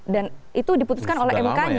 dan itu diputuskan oleh mk nya